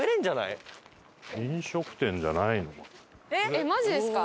えっマジですか？